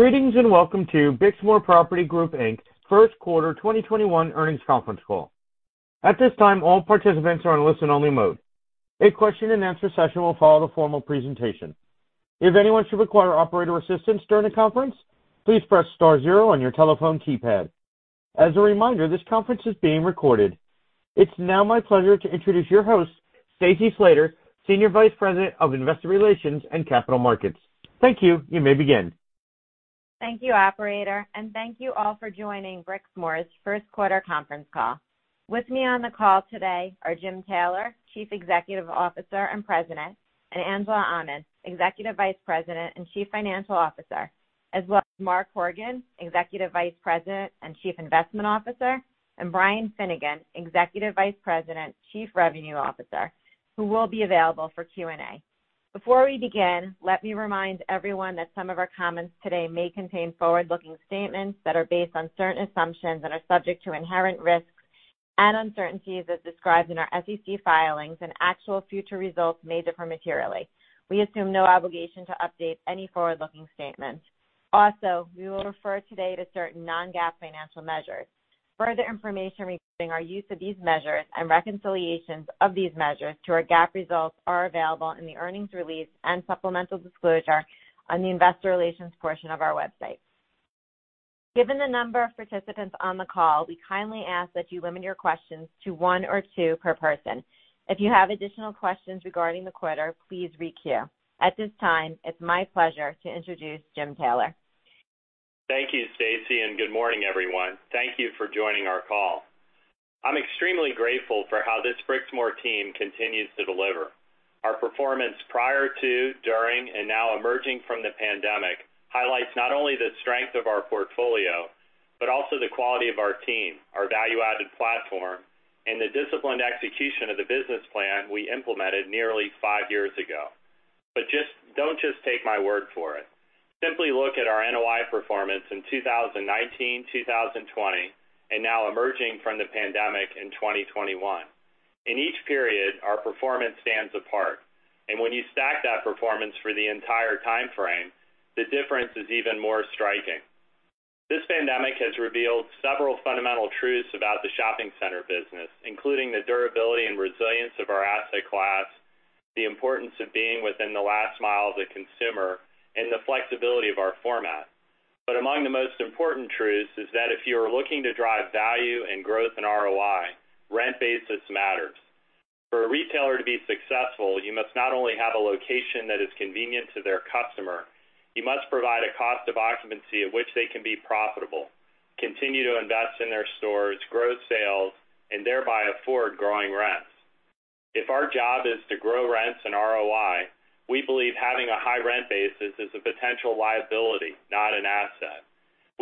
Greetings, Welcome to Brixmor Property Group Inc.'s First Quarter 2021 Earnings Conference Call. At this time, all participants are on listen-only mode. A question and answer session will follow the formal presentation. If anyone should require operator assistance during the conference, please press star zero on your telephone keypad. As a reminder, this conference is being recorded. It's now my pleasure to introduce your host, Stacy Slater, Senior Vice President of Investor Relations and Capital Markets. Thank you. You may begin. Thank you, operator, thank you all for joining Brixmor's first quarter conference call. With me on the call today are Jim Taylor, Chief Executive Officer and President, and Angela Aman, Executive Vice President and Chief Financial Officer, as well as Mark Horgan, Executive Vice President and Chief Investment Officer, and Brian Finnegan, Executive Vice President, Chief Revenue Officer, who will be available for Q&A. Before we begin, let me remind everyone that some of our comments today may contain forward-looking statements that are based on certain assumptions and are subject to inherent risks and uncertainties as described in our SEC filings, and actual future results may differ materially. We assume no obligation to update any forward-looking statements. We will refer today to certain non-GAAP financial measures. Further information regarding our use of these measures and reconciliations of these measures to our GAAP results are available in the earnings release and supplemental disclosure on the investor relations portion of our website. Given the number of participants on the call, we kindly ask that you limit your questions to one or two per person. If you have additional questions regarding the quarter, please re-queue. At this time, it's my pleasure to introduce Jim Taylor. Thank you, Stacy, and good morning, everyone. Thank you for joining our call. I'm extremely grateful for how this Brixmor team continues to deliver. Our performance prior to, during, and now emerging from the pandemic highlights not only the strength of our portfolio, but also the quality of our team, our value-added platform, and the disciplined execution of the business plan we implemented nearly five years ago. Don't just take my word for it. Simply look at our NOI performance in 2019, 2020, and now emerging from the pandemic in 2021. In each period, our performance stands apart, and when you stack that performance for the entire timeframe, the difference is even more striking. This pandemic has revealed several fundamental truths about the shopping center business, including the durability and resilience of our asset class, the importance of being within the last mile of the consumer, and the flexibility of our format. Among the most important truths is that if you are looking to drive value and growth in ROI, rent basis matters. For a retailer to be successful, you must not only have a location that is convenient to their customer, you must provide a cost of occupancy at which they can be profitable, continue to invest in their stores, grow sales, and thereby afford growing rents. If our job is to grow rents and ROI, we believe having a high rent basis is a potential liability, not an asset.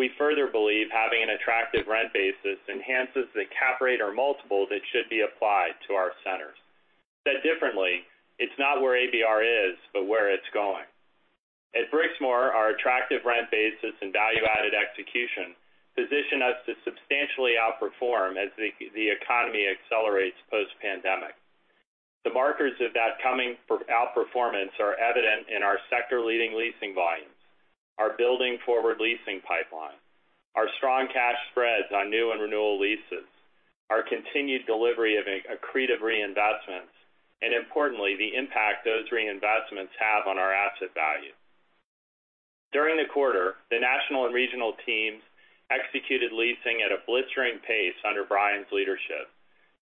We further believe having an attractive rent basis enhances the cap rate or multiple that should be applied to our centers. Said differently, it's not where ABR is, but where it's going. At Brixmor, our attractive rent basis and value-added execution position us to substantially outperform as the economy accelerates post-pandemic. The markers of that coming outperformance are evident in our sector-leading leasing volumes, our building forward leasing pipeline, our strong cash spreads on new and renewal leases, our continued delivery of accretive reinvestments, and importantly, the impact those reinvestments have on our asset value. During the quarter, the national and regional teams executed leasing at a blistering pace under Brian's leadership,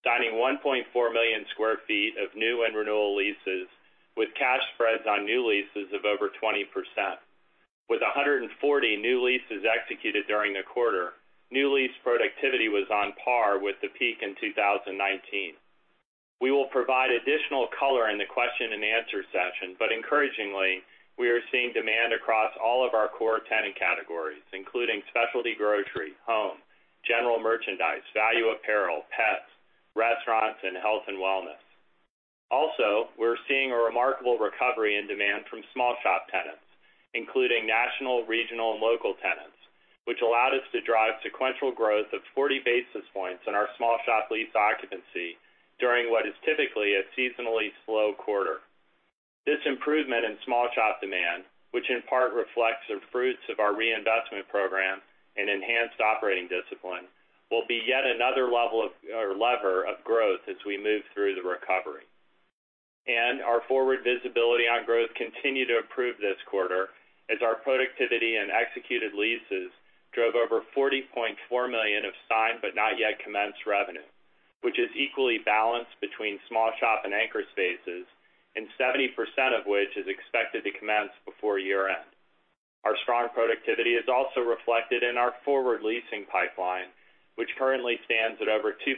signing 1.4 million sq ft of new and renewal leases with cash spreads on new leases of over 20%. With 140 new leases executed during the quarter, new lease productivity was on par with the peak in 2019. We will provide additional color in the question and answer session. Encouragingly, we are seeing demand across all of our core tenant categories, including specialty grocery, home, general merchandise, value apparel, pets, restaurants, and health and wellness. We're seeing a remarkable recovery in demand from small shop tenants, including national, regional, and local tenants, which allowed us to drive sequential growth of 40 basis points in our small shop lease occupancy during what is typically a seasonally slow quarter. This improvement in small shop demand, which in part reflects the fruits of our reinvestment program and enhanced operating discipline, will be yet another lever of growth as we move through the recovery. Our forward visibility on growth continued to improve this quarter as our productivity and executed leases drove over $40.4 million of signed but not yet commenced revenue, which is equally balanced between small shop and anchor spaces, and 70% of which is expected to commence before year-end. Our strong productivity is also reflected in our forward leasing pipeline, which currently stands at over 2.2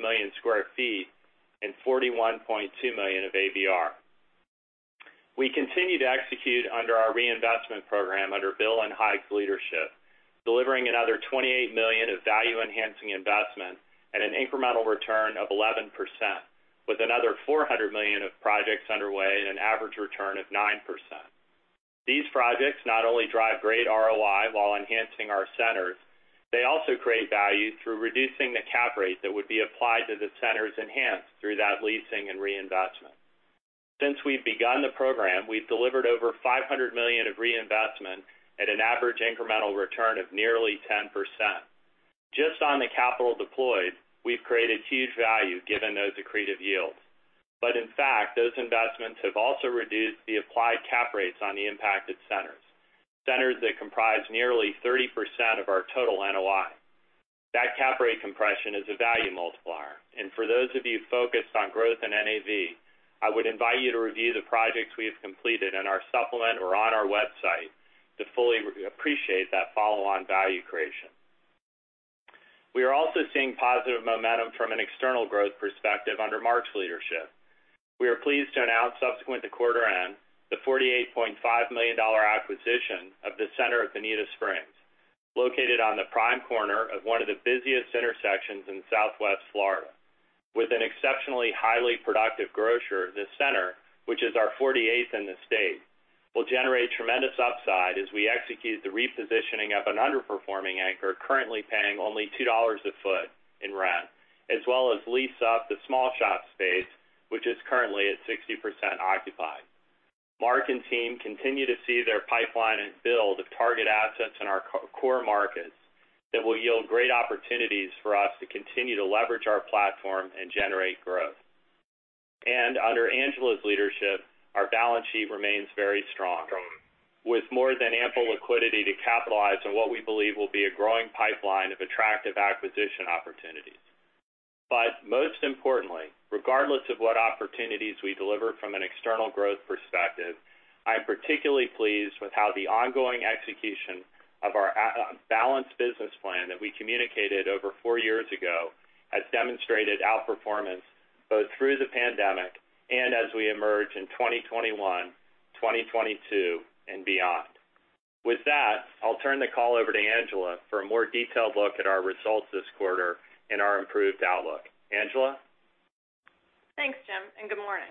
million sq ft and $41.2 million of ABR. We continue to execute under our reinvestment program under Bill and Haig's leadership, delivering another $28 million of value-enhancing investment at an incremental return of 11%, with another $400 million of projects underway at an average return of 9%. These projects not only drive great ROI while enhancing our centers. They also create value through reducing the cap rate that would be applied to the centers enhanced through that leasing and reinvestment. Since we've begun the program, we've delivered over $500 million of reinvestment at an average incremental return of nearly 10%. Just on the capital deployed, we've created huge value given those accretive yields. In fact, those investments have also reduced the applied cap rates on the impacted centers that comprise nearly 30% of our total NOI. That cap rate compression is a value multiplier. For those of you focused on growth in NAV, I would invite you to review the projects we have completed in our supplement or on our website to fully appreciate that follow-on value creation. We are also seeing positive momentum from an external growth perspective under Mark's leadership. We are pleased to announce subsequent to quarter end the $48.5 million acquisition of the Center of Bonita Springs, located on the prime corner of one of the busiest intersections in Southwest Florida. With an exceptionally highly productive grocer, this center, which is our 48th in the state, will generate tremendous upside as we execute the repositioning of an underperforming anchor currently paying only $2 a foot in rent, as well as lease up the small shop space, which is currently at 60% occupied. Mark and team continue to see their pipeline and build of target assets in our core markets that will yield great opportunities for us to continue to leverage our platform and generate growth. Under Angela's leadership, our balance sheet remains very strong, with more than ample liquidity to capitalize on what we believe will be a growing pipeline of attractive acquisition opportunities. Most importantly, regardless of what opportunities we deliver from an external growth perspective, I am particularly pleased with how the ongoing execution of our balanced business plan that we communicated over four years ago has demonstrated outperformance both through the pandemic and as we emerge in 2021, 2022, and beyond. With that, I'll turn the call over to Angela for a more detailed look at our results this quarter and our improved outlook. Angela? Thanks, Jim, and good morning.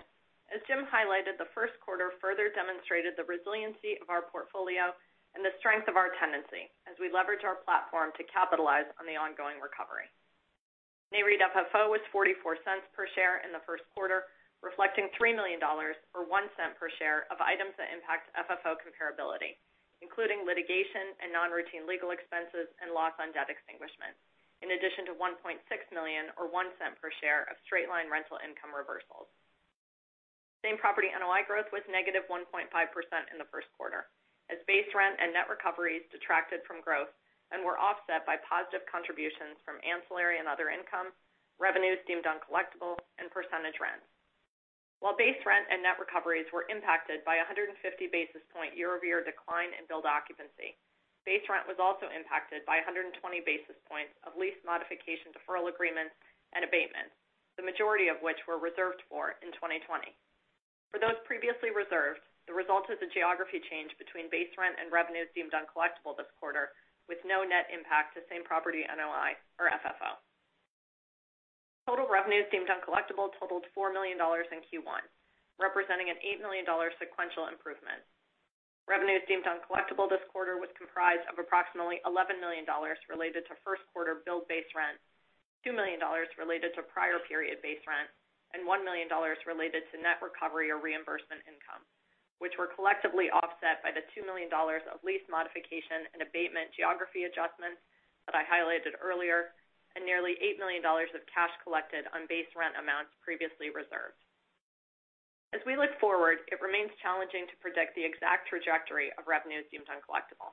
As Jim highlighted, the first quarter further demonstrated the resiliency of our portfolio and the strength of our tenancy as we leverage our platform to capitalize on the ongoing recovery. Nareit FFO was $0.44 per share in the first quarter, reflecting $3 million, or $0.01 per share of items that impact FFO comparability, including litigation and non-routine legal expenses and loss on debt extinguishment, in addition to $1.6 million or $0.01 per share of straight-line rental income reversals. Same property NOI growth was -1.5% in the first quarter as base rent and net recoveries detracted from growth and were offset by positive contributions from ancillary and other income, revenues deemed uncollectible, and percentage rents. While base rent and net recoveries were impacted by 150 basis points year-over-year decline in billed occupancy, base rent was also impacted by 120 basis points of lease modification deferral agreements and abatements, the majority of which were reserved for in 2020. For those previously reserved, the result is a geography change between base rent and revenues deemed uncollectible this quarter, with no net impact to same property NOI or FFO. Total revenues deemed uncollectible totaled $4 million in Q1, representing an $8 million sequential improvement. Revenues deemed uncollectible this quarter was comprised of approximately $11 million related to first quarter billed base rent, $2 million related to prior period base rent, and $1 million related to net recovery or reimbursement income, which were collectively offset by the $2 million of lease modification and abatement geography adjustments that I highlighted earlier, and nearly $8 million of cash collected on base rent amounts previously reserved. As we look forward, it remains challenging to predict the exact trajectory of revenues deemed uncollectible.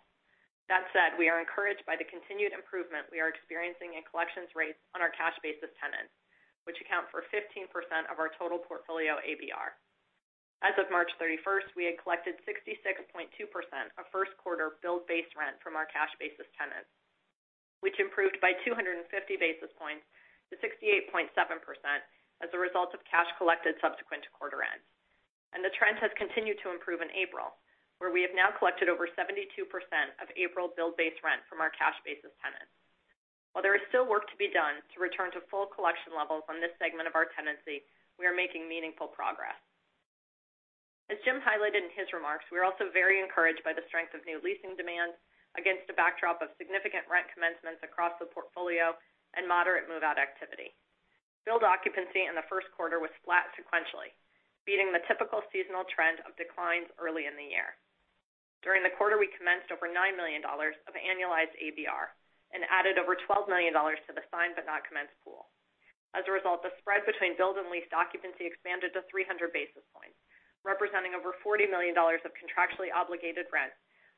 That said, we are encouraged by the continued improvement we are experiencing in collections rates on our cash basis tenants, which account for 15% of our total portfolio ABR. As of March 31st, we had collected 66.2% of first quarter billed base rent from our cash basis tenants, which improved by 250 basis points to 68.7% as a result of cash collected subsequent to quarter end. The trend has continued to improve in April, where we have now collected over 72% of April billed base rent from our cash basis tenants. While there is still work to be done to return to full collection levels on this segment of our tenancy, we are making meaningful progress. As Jim highlighted in his remarks, we are also very encouraged by the strength of new leasing demand against a backdrop of significant rent commencements across the portfolio and moderate move-out activity. Build occupancy in the first quarter was flat sequentially, beating the typical seasonal trend of declines early in the year. During the quarter, we commenced over $9 million of annualized ABR and added over $12 million to the signed but not commenced pool. As a result, the spread between build and leased occupancy expanded to 300 basis points, representing over $40 million of contractually obligated rent,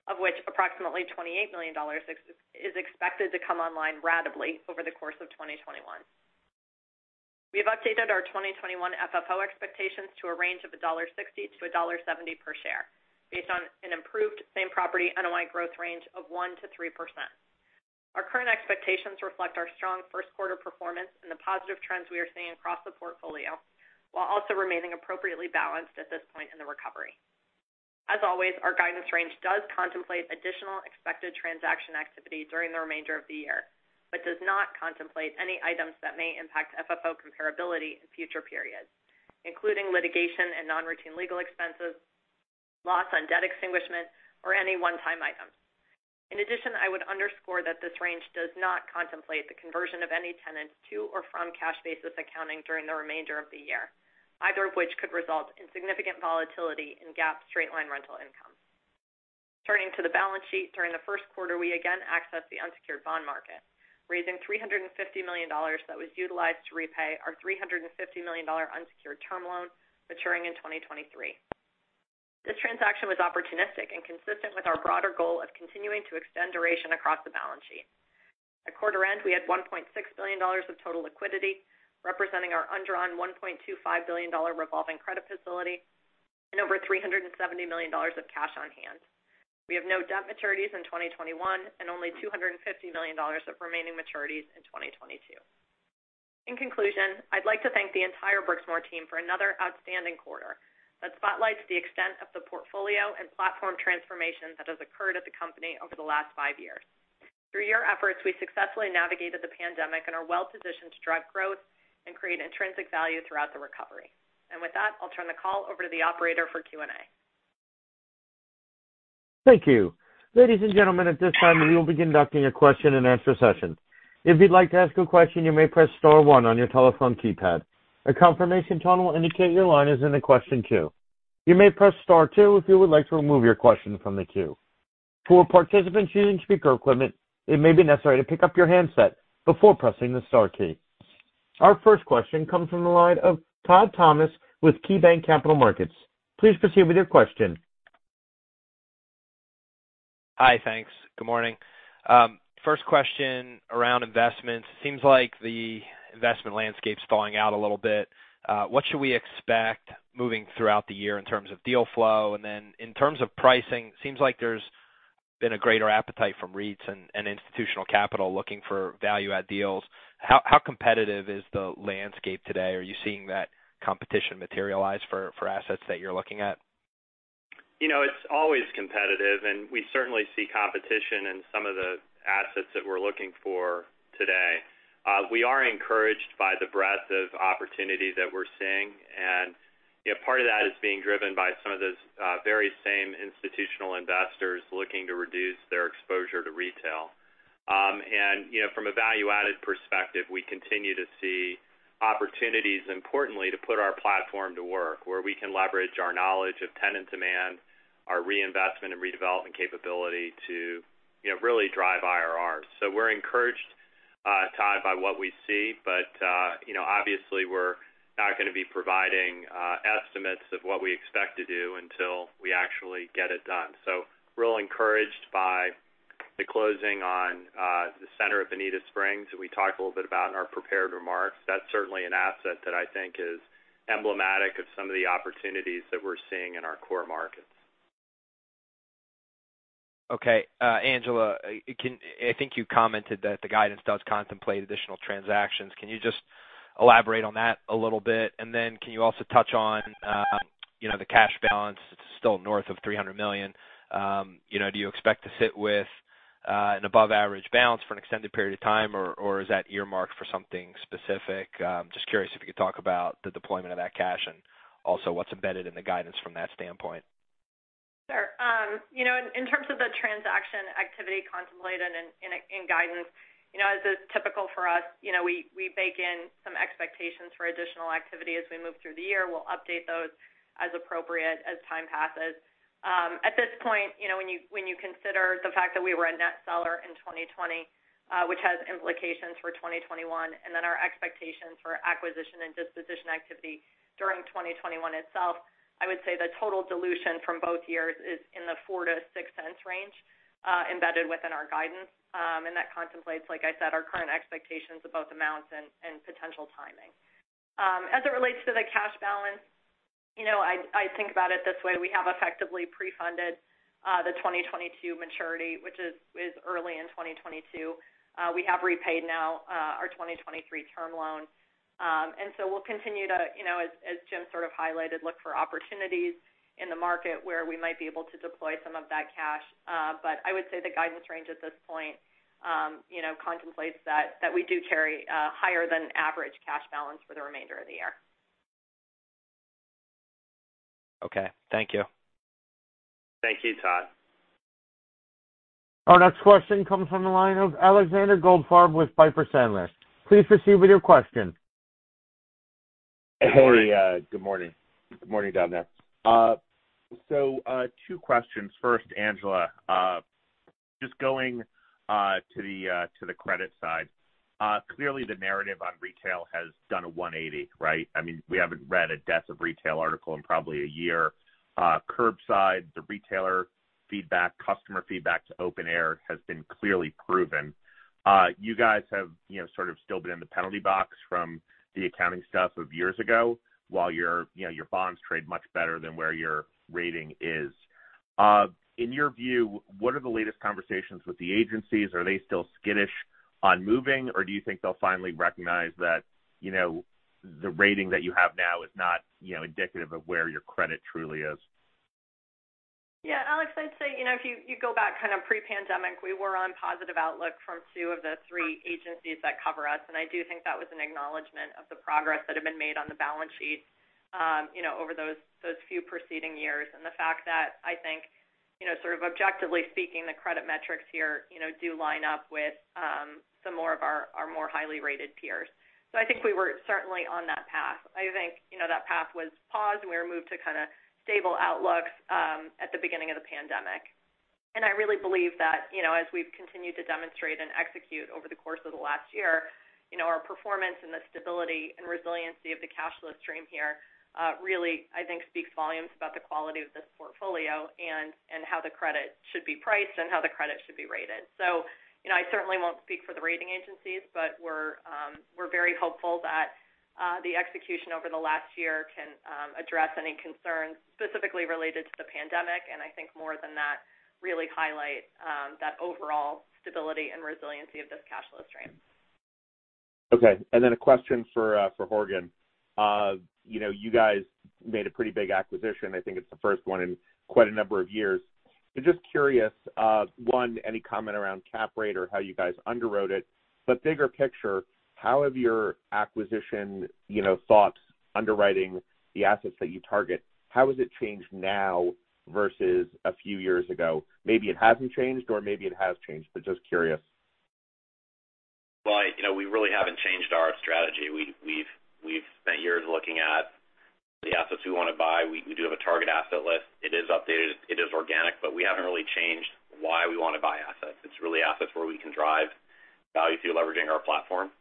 of which approximately $28 million is expected to come online ratably over the course of 2021. We have updated our 2021 FFO expectations to a range of $1.60-$1.70 per share based on an improved same property NOI growth range of 1%-3%. Our current expectations reflect our strong first quarter performance and the positive trends we are seeing across the portfolio, while also remaining appropriately balanced at this point in the recovery. As always, our guidance range does contemplate additional expected transaction activity during the remainder of the year, but does not contemplate any items that may impact FFO comparability in future periods, including litigation and non-routine legal expenses, loss on debt extinguishment, or any one-time items. In addition, I would underscore that this range does not contemplate the conversion of any tenant to or from cash basis accounting during the remainder of the year, either of which could result in significant volatility in GAAP straight-line rental income. Turning to the balance sheet, during the first quarter, we again accessed the unsecured bond market, raising $350 million that was utilized to repay our $350 million unsecured term loan maturing in 2023. This transaction was opportunistic and consistent with our broader goal of continuing to extend duration across the balance sheet. At quarter end, we had $1.6 billion of total liquidity, representing our undrawn $1.25 billion revolving credit facility and over $370 million of cash on hand. We have no debt maturities in 2021 and only $250 million of remaining maturities in 2022. In conclusion, I'd like to thank the entire Brixmor team for another outstanding quarter that spotlights the extent of the portfolio and platform transformation that has occurred at the company over the last five years. Through your efforts, we successfully navigated the pandemic and are well-positioned to drive growth and create intrinsic value throughout the recovery. With that, I'll turn the call over to the operator for Q&A. Thank you. Ladies and gentlemen, at this time, we will be conducting a question and answer session. If you'd like to ask a question, you may press star one on your telephone keypad. A confirmation tone will indicate your line is in the question queue. You may press star two if you would like to remove your question from the queue. For participants using speaker equipment, it may be necessary to pick up your handset before pressing the star key. Our first question comes from the line of Todd Thomas with KeyBanc Capital Markets. Please proceed with your question. Hi, thanks. Good morning. First question around investments. Seems like the investment landscape's thawing out a little bit. What should we expect moving throughout the year in terms of deal flow? In terms of pricing, seems like there's been a greater appetite from REITs and institutional capital looking for value add deals. How competitive is the landscape today? Are you seeing that competition materialize for assets that you're looking at? It's always competitive, and we certainly see competition in some of the assets that we're looking for today. We are encouraged by the breadth of opportunity that we're seeing, and part of that is being driven by some of those very same institutional investors looking to reduce their exposure to retail. From a value-added perspective, we continue to see opportunities, importantly, to put our platform to work, where we can leverage our knowledge of tenant demand, our reinvestment and redevelopment capability to really drive IRRs. We're encouraged, Todd, by what we see. Obviously we're not going to be providing estimates of what we expect to do until we actually get it done. We're encouraged by the closing on the center of Bonita Springs that we talked a little bit about in our prepared remarks. That's certainly an asset that I think is emblematic of some of the opportunities that we're seeing in our core markets. Okay. Angela Aman, I think you commented that the guidance does contemplate additional transactions. Can you just elaborate on that a little bit? Can you also touch on the cash balance that's still north of $300 million. Do you expect to sit with an above-average balance for an extended period of time, or is that earmarked for something specific? Just curious if you could talk about the deployment of that cash and also what's embedded in the guidance from that standpoint. Sure. In terms of the transaction activity contemplated in guidance, as is typical for us, we bake in some expectations for additional activity as we move through the year. We'll update those as appropriate as time passes. At this point, when you consider the fact that we were a net seller in 2020, which has implications for 2021, and then our expectations for acquisition and disposition activity during 2021 itself, I would say the total dilution from both years is in the $0.04-$0.06 range embedded within our guidance. That contemplates, like I said, our current expectations of both amounts and potential timing. As it relates to the cash balance, I think about it this way. We have effectively pre-funded the 2022 maturity, which is early in 2022. We have repaid now our 2023 term loan. We'll continue to, as Jim sort of highlighted, look for opportunities in the market where we might be able to deploy some of that cash. I would say the guidance range at this point contemplates that we do carry a higher than average cash balance for the remainder of the year. Okay. Thank you. Thank you, Todd. Our next question comes from the line of Alexander Goldfarb with Piper Sandler. Please proceed with your question. Good morning. Good morning down there. Two questions. First, Angela Aman, just going to the credit side. Clearly the narrative on retail has done a 180, right? I mean, we haven't read a death of retail article in probably a year. Curbside, the retailer feedback, customer feedback to open-air has been clearly proven. You guys have sort of still been in the penalty box from the accounting stuff of years ago, while your bonds trade much better than where your rating is. In your view, what are the latest conversations with the agencies? Are they still skittish on moving, or do you think they'll finally recognize that the rating that you have now is not indicative of where your credit truly is? Yeah, Alex, I'd say, if you go back kind of pre-pandemic, we were on positive outlook from two of the three agencies that cover us. I do think that was an acknowledgment of the progress that had been made on the balance sheet, over those few preceding years. The fact that I think, sort of objectively speaking, the credit metrics here do line up with some more of our more highly rated peers. I think we were certainly on that path. I think that path was paused, and we were moved to kind of stable outlooks at the beginning of the pandemic. I really believe that as we've continued to demonstrate and execute over the course of the last year, our performance and the stability and resiliency of the cash flow stream here really, I think, speaks volumes about the quality of this portfolio and how the credit should be priced and how the credit should be rated. I certainly won't speak for the rating agencies, but we're very hopeful that the execution over the last year can address any concerns specifically related to the pandemic and I think more than that, really highlight that overall stability and resiliency of this cash flow stream. Okay. A question for Horgan. You guys made a pretty big acquisition. I think it's the first one in quite a number of years. Just curious, one, any comment around cap rate or how you guys underwrote it? Bigger picture, how have your acquisition thoughts underwriting the assets that you target, how has it changed now versus a few years ago? Maybe it hasn't changed, or maybe it has changed, but just curious. Well, we really haven't changed our strategy. We've spent years looking at the assets we want to buy. We do have a target asset list. It is updated, it is organic, but we haven't really changed why we want to buy assets. It's really assets where we can drive value through leveraging our platform.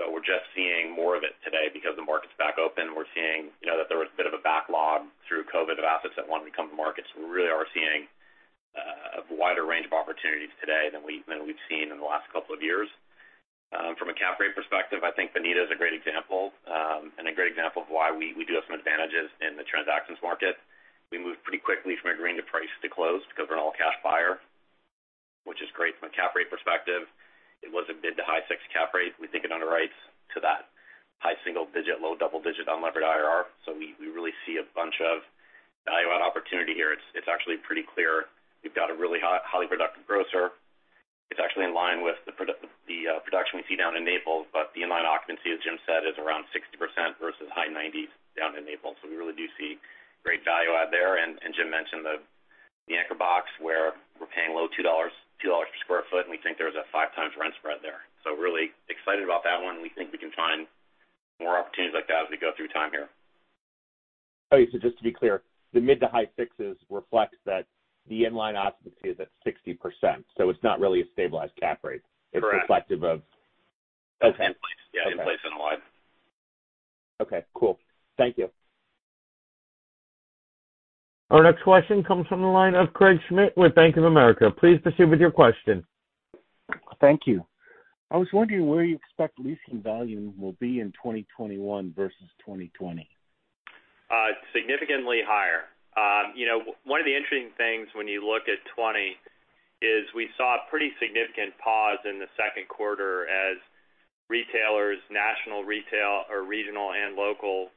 We're just seeing more of it today because the market's back open. We're seeing that there was a bit of a backlog through COVID of assets that wanted to come to market. We really are seeing a wider range of opportunities today than we've seen in the last couple of years. From a cap rate perspective, I think Bonita is a great example, and a great example of why we do have some advantages in the transactions market. We moved pretty quickly from agreeing to price to close because we're an all-cash buyer, which is great from a cap rate perspective. It was a mid to high six cap rate. We think it underwrites to that high single digit, low double digit unlevered IRR. We really see a bunch of value add opportunity here. It's actually pretty clear. We've got a really highly productive grocer. It's actually in line with the production we see down in Naples, but the inline occupancy, as Jim said, is around 60% versus high 90s down in Naples. We really do see great value add there. Jim mentioned the anchor box where we're paying low $2 per square foot. We think there's a five times rent spread there. Really excited about that one, and we think we can find more opportunities like that as we go through time here. [All right]. So just to be clear, the mid to high sixes reflects that the inline occupancy is at 60%. It's not really a stabilized cap rate. Correct. It's reflective of. That's in place. Okay. Yeah, in place and wide. Okay, cool. Thank you. Our next question comes from the line of Craig Schmidt with Bank of America. Please proceed with your question. Thank you. I was wondering where you expect leasing volume will be in 2021 versus 2020. Significantly higher. One of the interesting things when you look at 2020 is we saw a pretty significant pause in the second quarter as retailers, national retail or regional and local,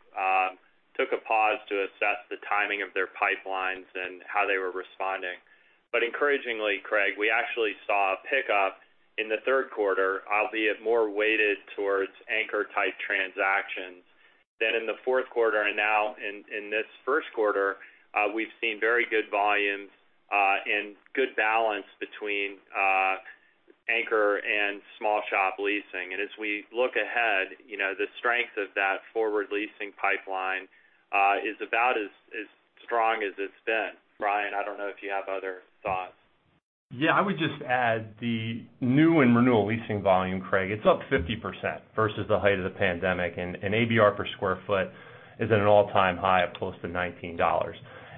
took a pause to assess the timing of their pipelines and how they were responding. Encouragingly, Craig, we actually saw a pickup in the third quarter, albeit more weighted towards anchor-type transactions than in the fourth quarter. Now in this first quarter, we've seen very good volumes, and good balance between anchor and small shop leasing. As we look ahead, the strength of that forward leasing pipeline is about as strong as it's been. Brian, I don't know if you have other thoughts. Yeah, I would just add the new and renewal leasing volume, Craig, it's up 50% versus the height of the pandemic, and ABR per square foot is at an all-time high of close to $19.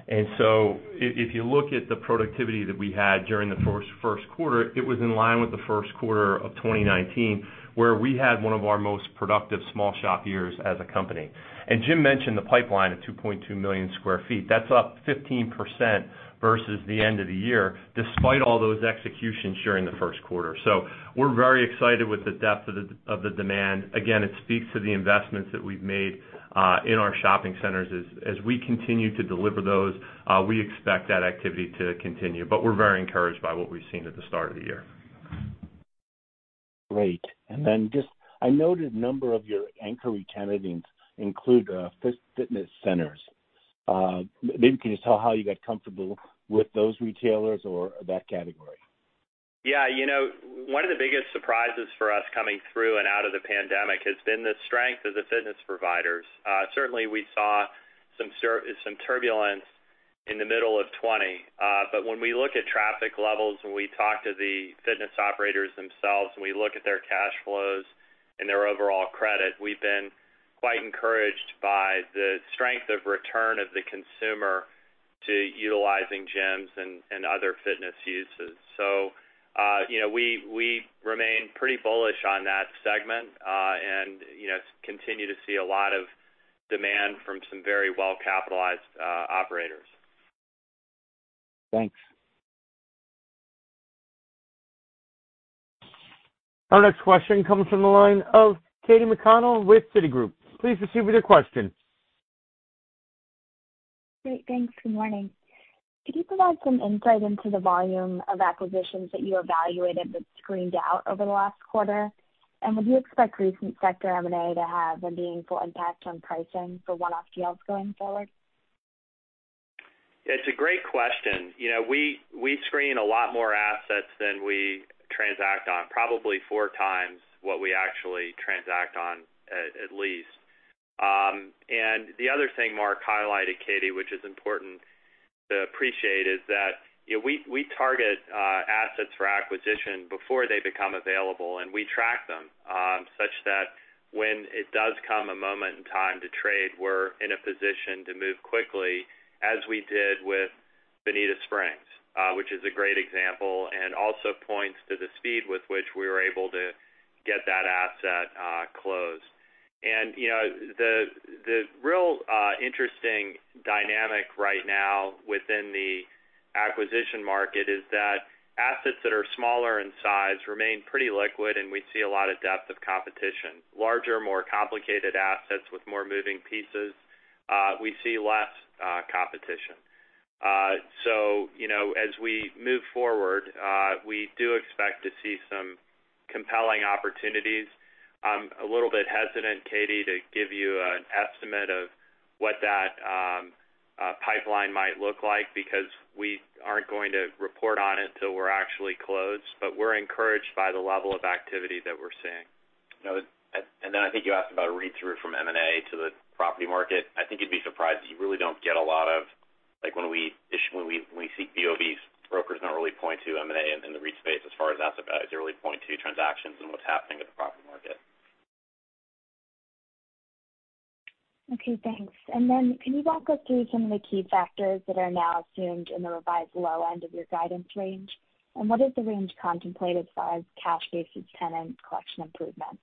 If you look at the productivity that we had during the first quarter, it was in line with the first quarter of 2019, where we had one of our most productive small shop years as a company. Jim mentioned the pipeline of $2.2 million sq ft. That's up 15% versus the end of the year, despite all those executions during the first quarter. We're very excited with the depth of the demand. Again, it speaks to the investments that we've made in our shopping centers. DAs we continue to deliver those, we expect that activity to continue, but we're very encouraged by what we've seen at the start of the year. Great. I noted a number of your anchor retailers include fitness centers. Maybe can you tell how you got comfortable with those retailers or that category? Yeah. One of the biggest surprises for us coming through and out of the pandemic has been the strength of the fitness providers. Certainly, we saw some turbulence in the middle of 2020. When we look at traffic levels, when we talk to the fitness operators themselves, and we look at their cash flows and their overall credit, we've been quite encouraged by the strength of return of the consumer to utilizing gyms and other fitness uses. We remain pretty bullish on that segment, and continue to see a lot of demand from some very well-capitalized operators. Thanks. Our next question comes from the line of Katy McConnell with Citigroup. Please proceed with your question. Great. Thanks. Good morning. Could you provide some insight into the volume of acquisitions that you evaluated but screened out over the last quarter? Would you expect recent sector M&A to have a meaningful impact on pricing for one-off deals going forward? It's a great question. We screen a lot more assets than we transact on. Probably 4 times what we actually transact on, at least. The other thing Mark highlighted, Katy, which is important to appreciate, is that we target assets for acquisition before they become available, and we track them, such that when it does come a moment in time to trade, we're in a position to move quickly, as we did with Bonita Springs, which is a great example, and also points to the speed with which we were able to get that asset closed. The real interesting dynamic right now within the acquisition market is that assets that are smaller in size remain pretty liquid, and we see a lot of depth of competition. Larger, more complicated assets with more moving pieces, we see less competition. As we move forward, we do expect to see some compelling opportunities. I'm a little bit hesitant, Katy, to give you an estimate of what that pipeline might look like, because we aren't going to report on it until we're actually closed, but we're encouraged by the level of activity that we're seeing. [And] then I think you asked about a read-through from M&A to the property market. I think you'd be surprised that you really don't get a lot of When we seek BOVs, brokers don't really point to M&A in the REIT space as far as asset value. They really point to transactions and what's happening to the property market. Okay, thanks. Can you walk us through some of the key factors that are now assumed in the revised low end of your guidance range? What is the range contemplated for cash basis tenant collection improvements?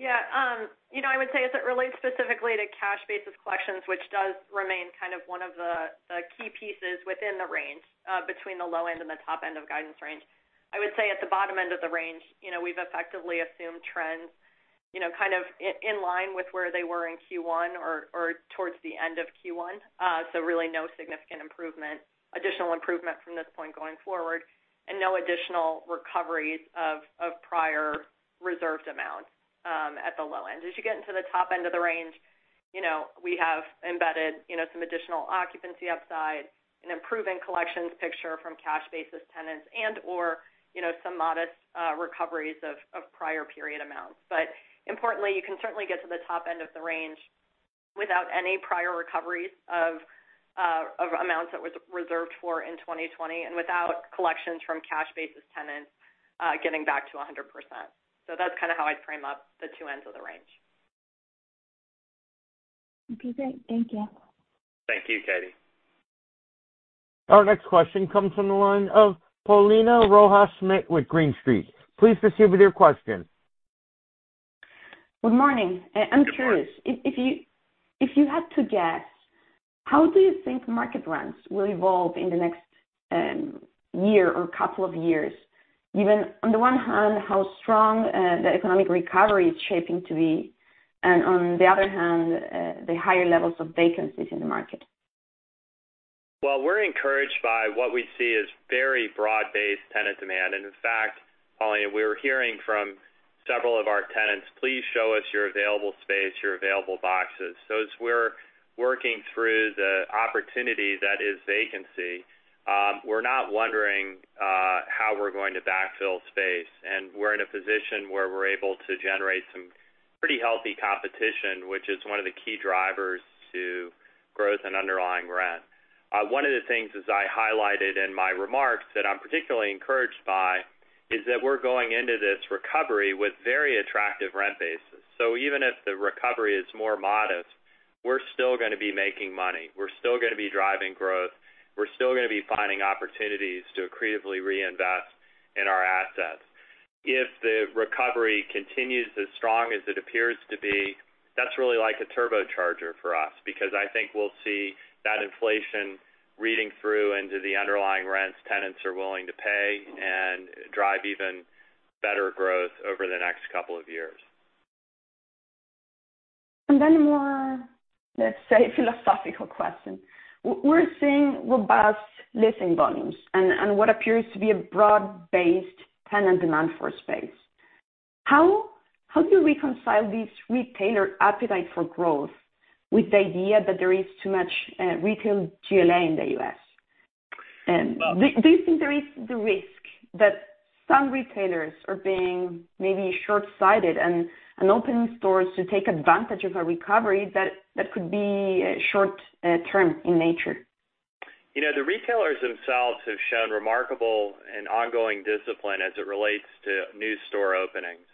Yeah. I would say as it relates specifically to cash basis collections, which does remain kind of one of the key pieces within the range, between the low end and the top end of guidance range, I would say at the bottom end of the range, we've effectively assumed trends in line with where they were in Q1 or towards the end of Q1. Really no significant additional improvement from this point going forward, and no additional recoveries of prior reserved amounts at the low end. As you get into the top end of the range, we have embedded some additional occupancy upside, an improving collections picture from cash basis tenants, and/or some modest recoveries of prior period amounts. Importantly, you can certainly get to the top end of the range without any prior recoveries of amounts that was reserved for in 2020 and without collections from cash basis tenants getting back to 100%. That's kind of how I'd frame up the two ends of the range. Okay, great. Thank you. Thank you, Katy. Our next question comes from the line of Paulina Rojas Schmidt with Green Street. Please proceed with your question. Good morning. Good morning. I'm curious, if you had to guess, how do you think market rents will evolve in the next year or couple of years, given on the one hand, how strong the economic recovery is shaping to be, and on the other hand, the higher levels of vacancies in the market? Well, we're encouraged by what we see as very broad-based tenant demand. And in fact, Paulina, we're hearing from several of our tenants, "Please show us your available space, your available boxes." So as we're working through the opportunity that is vacancy, we're not wondering how we're going to backfill space. And we're in a position where we're able to generate some pretty healthy competition, which is one of the key drivers to growth in underlying rent. One of the things, as I highlighted in my remarks, that I'm particularly encouraged by is that we're going into this recovery with very attractive rent bases. So even if the recovery is more modest, we're still going to be making money. We're still going to be driving growth. We're still going to be finding opportunities to accretively reinvest in our assets. If the recovery continues as strong as it appears to be, that's really like a turbocharger for us, because I think we'll see that inflation reading through into the underlying rents tenants are willing to pay and drive even better growth over the next couple of years. A more, let's say, philosophical question. We're seeing robust leasing volumes and what appears to be a broad-based tenant demand for space. How do you reconcile this retailer appetite for growth with the idea that there is too much retail GLA in the U.S.? Do you think there is the risk that some retailers are being maybe shortsighted and opening stores to take advantage of a recovery that could be short-term in nature? The retailers themselves have shown remarkable and ongoing discipline as it relates to new store openings.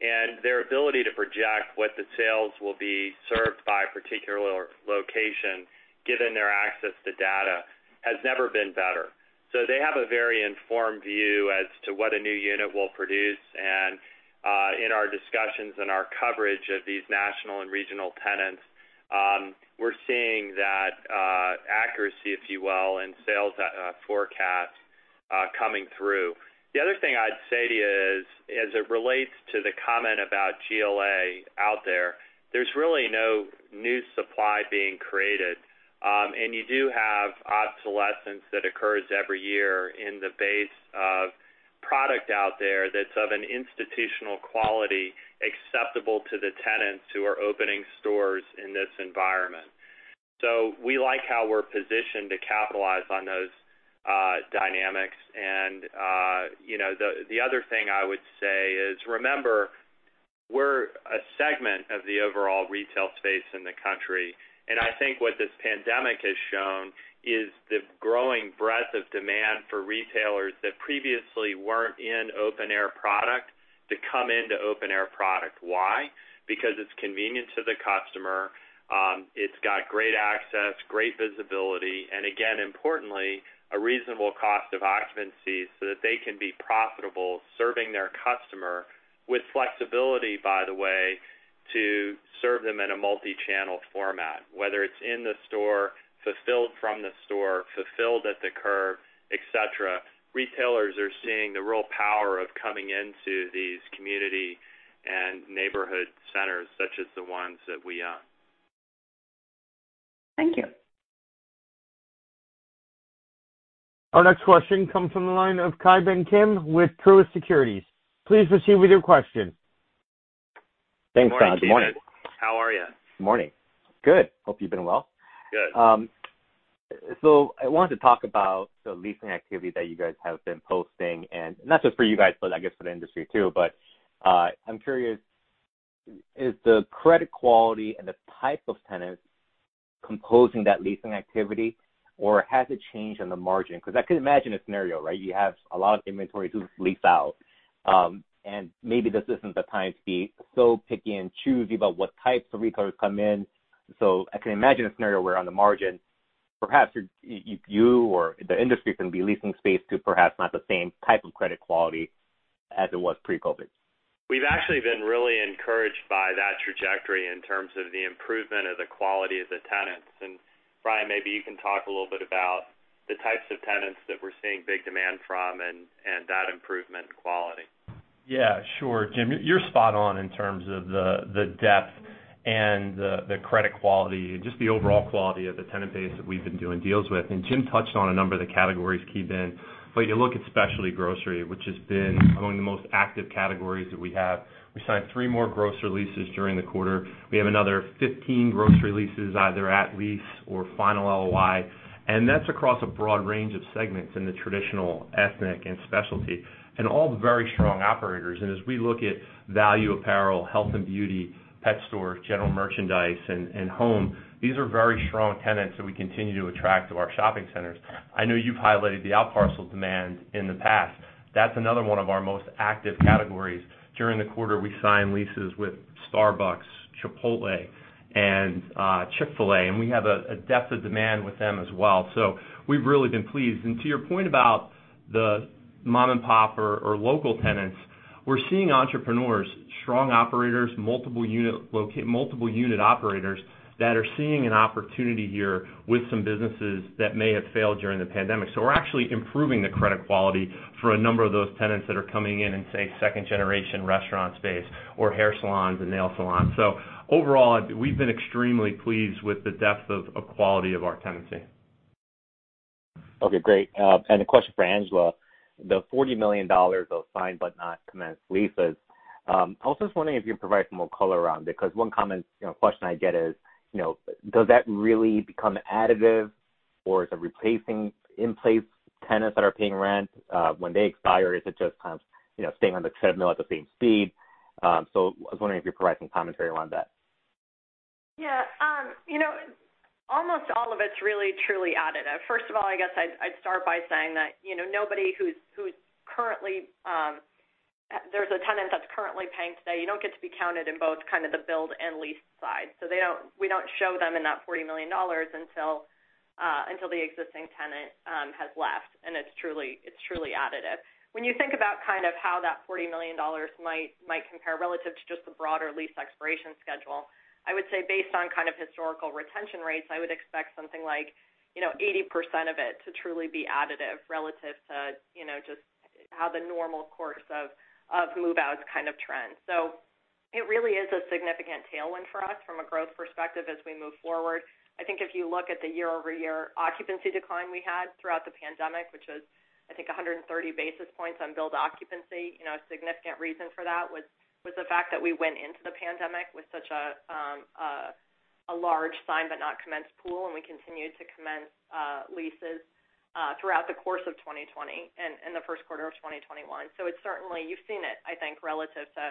Their ability to project what the sales will be served by a particular location, given their access to data, has never been better. They have a very informed view as to what a new unit will produce. In our discussions and our coverage of these national and regional tenants, we're seeing that accuracy, if you will, in sales forecasts coming through. The other thing I'd say to you is, as it relates to the comment about GLA out there's really no new supply being created. You do have obsolescence that occurs every year in the base of product out there that's of an institutional quality acceptable to the tenants who are opening stores in this environment. We like how we're positioned to capitalize on those dynamics. The other thing I would say is, remember, we're a segment of the overall retail space in the country, I think what this pandemic has shown is the growing breadth of demand for retailers that previously weren't in open-air product to come into open-air product. Why? Because it's convenient to the customer. It's got great access, great visibility, and again, importantly, a reasonable cost of occupancy so that they can be profitable serving their customer with flexibility, by the way, to serve them in a multi-channel format, whether it's in the store, fulfilled from the store, fulfilled at the curb, et cetera. Retailers are seeing the real power of coming into these community and neighborhood centers, such as the ones that we own. Thank you. Our next question comes from the line of Ki Bin Kim with Truist Securities. Please proceed with your question. Thanks, Todd. Good morning, Ki Bin. How are you? Morning. Good. Hope you've been well. Good. I wanted to talk about the leasing activity that you guys have been posting, and not just for you guys, but I guess for the industry too. I'm curious, is the credit quality and the type of tenants composing that leasing activity, or has it changed on the margin? I could imagine a scenario, right, you have a lot of inventory to lease out, and maybe this isn't the time to be so picky and choosy about what types of retailers come in. I can imagine a scenario where on the margin, perhaps you or the industry can be leasing space to perhaps not the same type of credit quality as it was pre-COVID. We've actually been really encouraged by that trajectory in terms of the improvement of the quality of the tenants. Brian, maybe you can talk a little bit about the types of tenants that we're seeing big demand from and that improvement in quality. Yeah, sure. Jim, you're spot on in terms of the depth and the credit quality and just the overall quality of the tenant base that we've been doing deals with. Jim touched on a number of the categories keyed in. You look at specialty grocery, which has been one of the most active categories that we have. We signed three more grocery leases during the quarter. We have another 15 grocery leases either at lease or final LOI, and that's across a broad range of segments in the traditional ethnic and specialty, and all the very strong operators. As we look at value apparel, health and beauty, pet stores, general merchandise, and home, these are very strong tenants that we continue to attract to our shopping centers. I know you've highlighted the outparcel demand in the past. That's another one of our most active categories. During the quarter, we signed leases with Starbucks, Chipotle, and Chick-fil-A, and we have a depth of demand with them as well. We've really been pleased. To your point about the mom-and-pop or local tenants, we're seeing entrepreneurs, strong operators, multiple unit operators that are seeing an opportunity here with some businesses that may have failed during the pandemic. We're actually improving the credit quality for a number of those tenants that are coming in in, say, second-generation restaurant space or hair salons and nail salons. Overall, we've been extremely pleased with the depth of quality of our tenancy. Okay, great. A question for Angela. The $40 million of signed but not commenced leases. I was just wondering if you could provide some more color around it, because one common question I get is, does that really become additive, or is it replacing in-place tenants that are paying rent? When they expire, is it just kind of staying on the treadmill at the same speed? I was wondering if you could provide some commentary around that. Yeah. Almost all of it's really, truly additive. First of all, I guess I'd start by saying that nobody who's currently, there's a tenant that's currently paying today, you don't get to be counted in both kind of the build and lease side. We don't show them in that $40 million until the existing tenant has left, and it's truly additive. When you think about kind of how that $40 million might compare relative to just the broader lease expiration schedule, I would say based on kind of historical retention rates, I would expect something like 80% of it to truly be additive relative to just how the normal course of move-outs kind of trend. It really is a significant tailwind for us from a growth perspective as we move forward. I think if you look at the year-over-year occupancy decline we had throughout the pandemic, which was, I think, 130 basis points on build occupancy, a significant reason for that was the fact that we went into the pandemic with such a large signed but not commenced pool, and we continued to commence leases throughout the course of 2020 and the first quarter of 2021. It's certainly, you've seen it, I think, relative to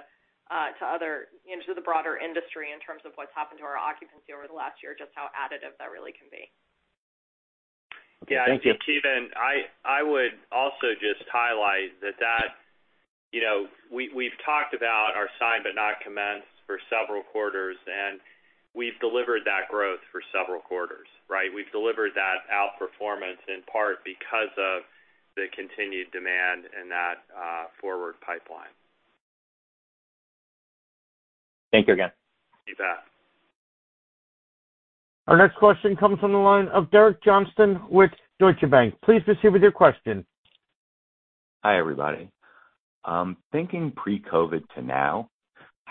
the broader industry in terms of what's happened to our occupancy over the last year, just how additive that really can be. Thank you. Yeah, and Ki Bin, I would also just highlight that we've talked about our signed but not commenced for several quarters. We've delivered that growth for several quarters, right? We've delivered that outperformance in part because of the continued demand in that forward pipeline. Thank you again. You bet. Our next question comes from the line of Derek Johnston with Deutsche Bank. Please proceed with your question. Hi, everybody. Thinking pre-COVID to now,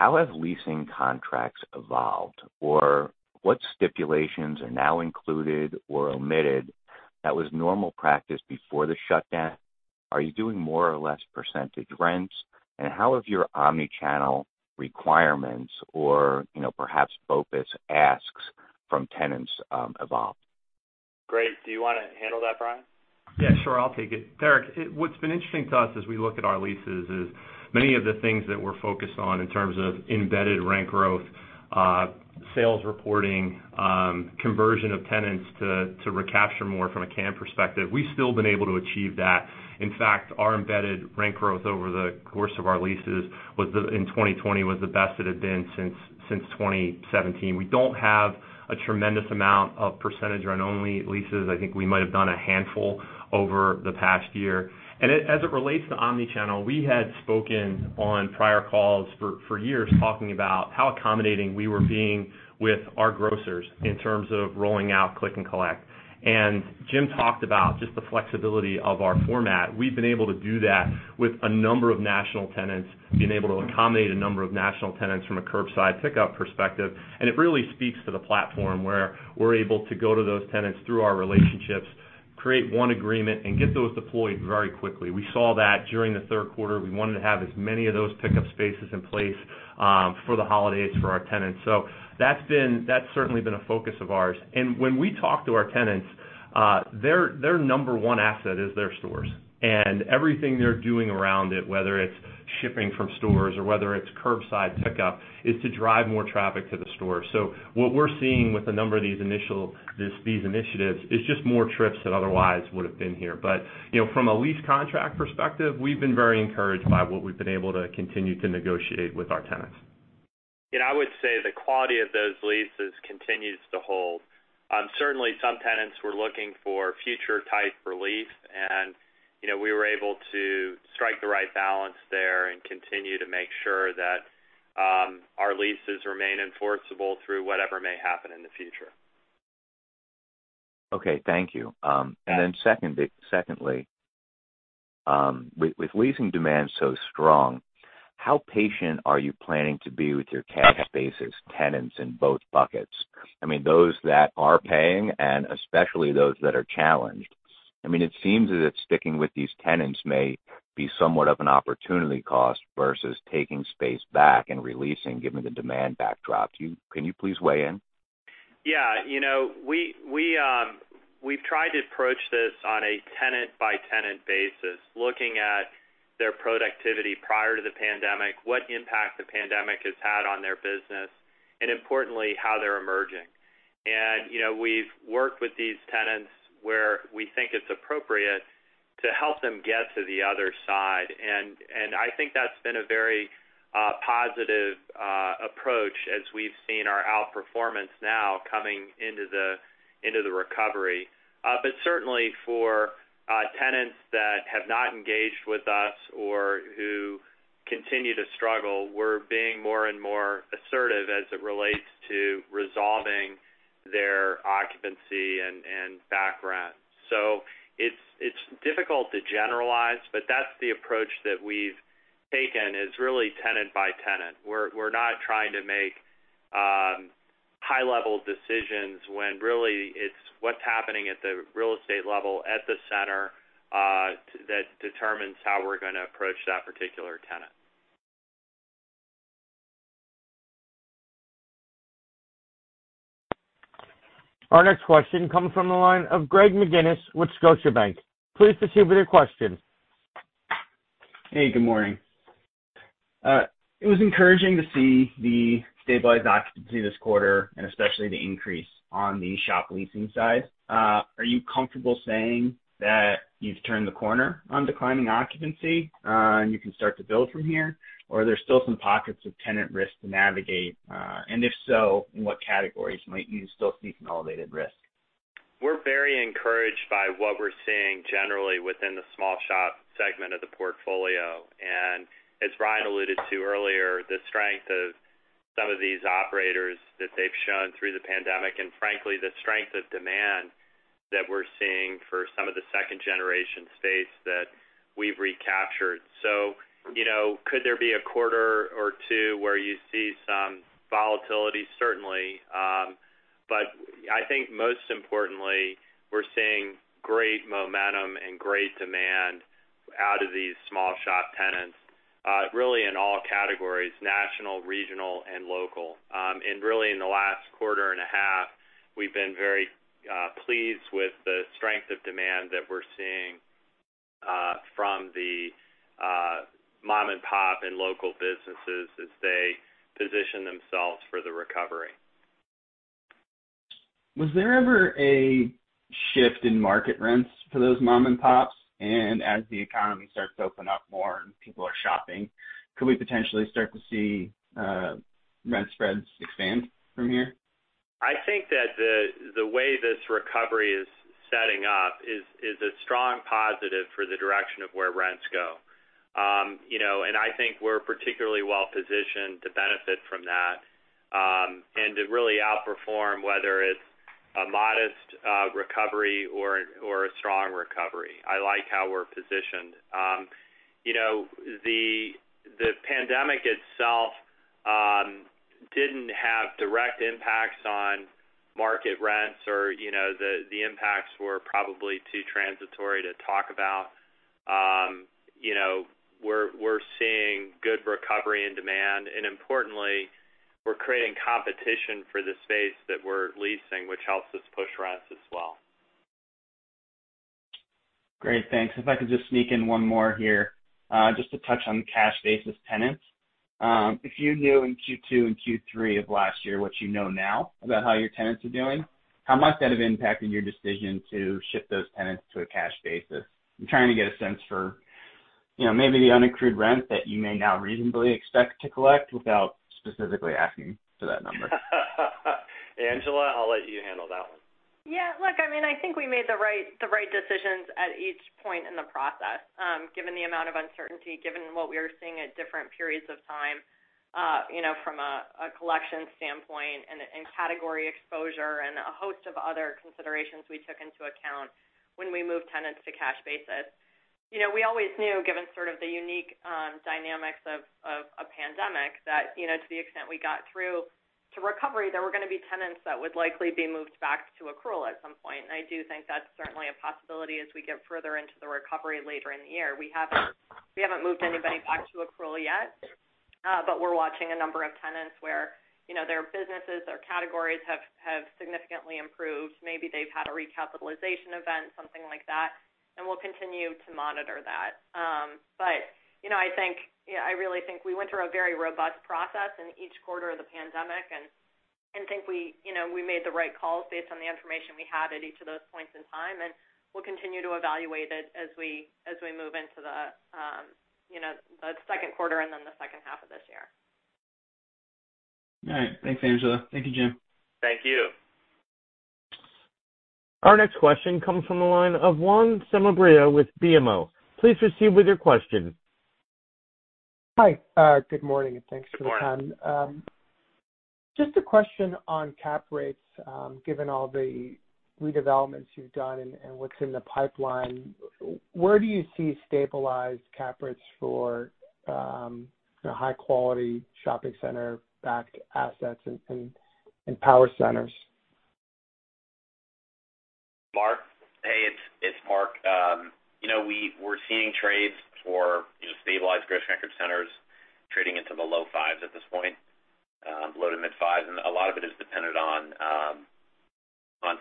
how have leasing contracts evolved, or what stipulations are now included or omitted that was normal practice before the shutdown? Are you doing more or less percentage rents? How have your omnichannel requirements or perhaps BOPUS asks from tenants evolved? Great. Do you want to handle that, Brian? Yeah, sure. I'll take it. Derek, what's been interesting to us as we look at our leases is many of the things that we're focused on in terms of embedded rent growth, sales reporting, conversion of tenants to recapture more from a CAM perspective, we've still been able to achieve that. In fact, our embedded rent growth over the course of our leases in 2020 was the best it had been since 2017. We don't have a tremendous amount of percentage rent-only leases. I think we might have done a handful over the past year. As it relates to omnichannel, we had spoken on prior calls for years talking about how accommodating we were being with our grocers in terms of rolling out click and collect. Jim talked about just the flexibility of our format. We've been able to do that with a number of national tenants, been able to accommodate a number of national tenants from a curbside pickup perspective. It really speaks to the platform where we're able to go to those tenants through our relationships, create one agreement, and get those deployed very quickly. We saw that during the third quarter. We wanted to have as many of those pickup spaces in place for the holidays for our tenants. That's certainly been a focus of ours. When we talk to our tenants, their number one asset is their stores. Everything they're doing around it, whether it's shipping from stores or whether it's curbside pickup, is to drive more traffic to the store. What we're seeing with a number of these initiatives is just more trips than otherwise would've been here. From a lease contract perspective, we've been very encouraged by what we've been able to continue to negotiate with our tenants. I would say the quality of those leases continues to hold. Certainly, some tenants were looking for future-type relief, and we were able to strike the right balance there and continue to make sure that our leases remain enforceable through whatever may happen in the future. Okay. Thank you. Yeah. Secondly, with leasing demand so strong, how patient are you planning to be with your cash basis tenants in both buckets? I mean, those that are paying and especially those that are challenged. It seems that sticking with these tenants may be somewhat of an opportunity cost versus taking space back and releasing, given the demand backdrop. Can you please weigh in? Yeah. We've tried to approach this on a tenant-by-tenant basis, looking at their productivity prior to the pandemic, what impact the pandemic has had on their business, and importantly, how they're emerging. We've worked with these tenants where we think it's appropriate to help them get to the other side. I think that's been a very positive approach as we've seen our outperformance now coming into the recovery. Certainly for tenants that have not engaged with us or who continue to struggle, we're being more and more assertive as it relates to resolving their occupancy and back rent. It's difficult to generalize, but that's the approach that we've taken, is really tenant by tenant. We're not trying to make high-level decisions when really it's what's happening at the real estate level at the center that determines how we're going to approach that particular tenant. Our next question comes from the line of Greg McGinniss with Scotiabank. Please proceed with your question. Hey, good morning. It was encouraging to see the stabilized occupancy this quarter, and especially the increase on the shop leasing side. Are you comfortable saying that you've turned the corner on declining occupancy and you can start to build from here? Are there still some pockets of tenant risk to navigate? If so, in what categories might you still see some elevated risk? We're very encouraged by what we're seeing generally within the small shop segment of the portfolio. As Brian alluded to earlier, the strength of some of these operators that they've shown through the pandemic, and frankly, the strength of demand that we're seeing for some of the second-generation space that we've recaptured. Could there be a quarter or two where you see some volatility? Certainly. I think most importantly, we're seeing great momentum and great demand out of these small shop tenants, really in all categories, national, regional, and local. Really in the last quarter and a half, we've been very pleased with the strength of demand that we're seeing from the mom-and-pop and local businesses as they position themselves for the recovery. Was there ever a shift in market rents for those mom and pops? As the economy starts to open up more and people are shopping, could we potentially start to see rent spreads expand from here? I think that the way this recovery is setting up is a strong positive for the direction of where rents go. I think we're particularly well-positioned to benefit from that, and to really outperform, whether it's a modest recovery or a strong recovery. I like how we're positioned. The pandemic itself didn't have direct impacts on market rents or the impacts were probably too transitory to talk about. We're seeing good recovery and demand. [And] importantly, we're creating competition for the space that we're leasing, which helps us push rents as well. Great. Thanks. If I could just sneak in one more here, just to touch on the cash basis tenants. If you knew in Q2 and Q3 of last year what you know now about how your tenants are doing, how much that have impacted your decision to shift those tenants to a cash basis? I'm trying to get a sense for maybe the unaccrued rent that you may now reasonably expect to collect without specifically asking for that number. Angela, I'll let you handle that one. Yeah, look, I think we made the right decisions at each point in the process, given the amount of uncertainty, given what we were seeing at different periods of time, from a collection standpoint and category exposure and a host of other considerations we took into account when we moved tenants to cash basis. We always knew, given sort of the unique dynamics of a pandemic, that to the extent we got through to recovery, there were going to be tenants that would likely be moved back to accrual at some point. I do think that's certainly a possibility as we get further into the recovery later in the year. We haven't moved anybody back to accrual yet, but we're watching a number of tenants where their businesses or categories have significantly improved. Maybe they've had a recapitalization event, something like that, and we'll continue to monitor that. I really think we went through a very robust process in each quarter of the pandemic, and think we made the right calls based on the information we had at each of those points in time, and we'll continue to evaluate it as we move into the second quarter and then the second half of this year. All right. Thanks, Angela. Thank you, Jim. Thank you. Our next question comes from the line of Juan Sanabria with BMO. Please proceed with your question. Hi, good morning and thanks for the time. Good morning. Just a question on cap rates, given all the redevelopments you've done and what's in the pipeline, where do you see stabilized cap rates for high-quality shopping center-backed assets and power centers? Mark? Hey, it's Mark. We're seeing trades for stabilized grocery-anchored centers trading into the low fives at this point, low to mid fives. A lot of it is dependent on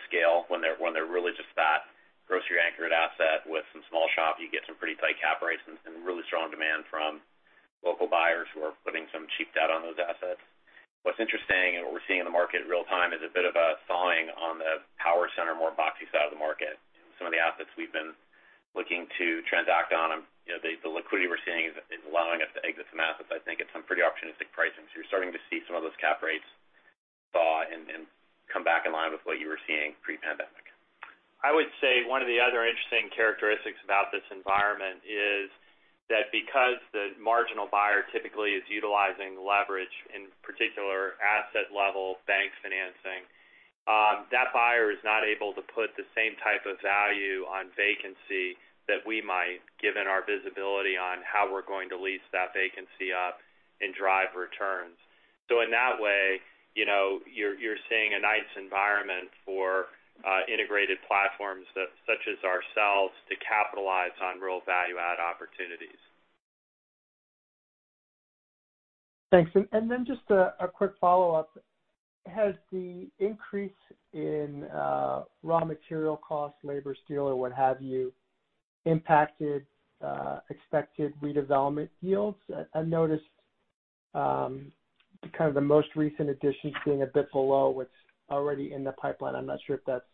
scale when they're really just that grocery-anchored asset with some small shop, you get some pretty tight cap rates and really strong demand from local buyers who are putting some cheap debt on those assets. What's interesting and what we're seeing in the market in real-time is a bit of a thawing on the power center, more boxy side of the market. Some of the assets we've been looking to transact on, the liquidity we're seeing is allowing us to exit some assets, I think, at some pretty opportunistic pricing. You're starting to see some of those cap rates thaw and come back in line with what you were seeing pre-pandemic. I would say one of the other interesting characteristics about this environment is that because the marginal buyer typically is utilizing leverage, in particular asset level bank financing, that buyer is not able to put the same type of value on vacancy that we might given our visibility on how we're going to lease that vacancy up and drive returns. In that way, you're seeing a nice environment for integrated platforms such as ourselves to capitalize on real value add opportunities. Thanks. Just a quick follow-up. Has the increase in raw material costs, labor, steel, or what have you, impacted expected redevelopment yields? I noticed kind of the most recent additions being a bit below what's already in the pipeline. I'm not sure if that's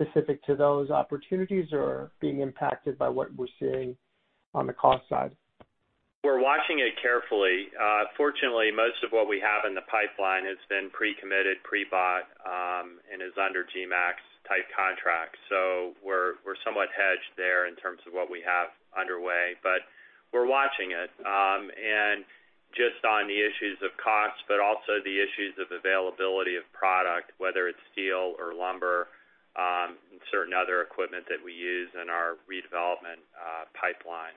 specific to those opportunities or being impacted by what we're seeing on the cost side. We're watching it carefully. Fortunately, most of what we have in the pipeline has been pre-committed, pre-bought, and is under GMPs type contract. We're somewhat hedged there in terms of what we have underway, but we're watching it. Just on the issues of cost, but also the issues of availability of product, whether it's steel or lumber, and certain other equipment that we use in our redevelopment pipeline.